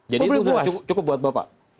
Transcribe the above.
jadi cukup buat bapak